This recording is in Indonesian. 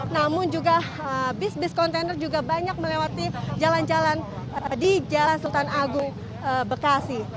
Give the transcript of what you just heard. namun juga bis bis kontainer juga banyak melewati jalan jalan di jalan sultan agung bekasi